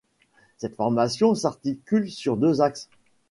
Cette formation s'articule sur deux axes.